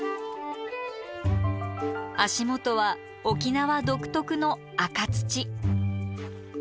足元は沖縄独特の赤土。